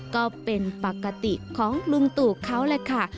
ก็เป็นปกติของลุงตู่เขาแหละค่ะ